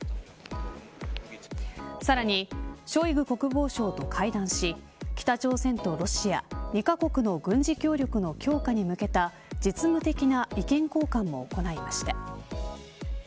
さらにショイグ国防相と会談し北朝鮮とロシア２カ国の軍事協力の強化に向けた実務的な意見交換も行いました。